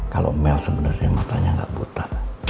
kalau mel sebenernya matanya gak buta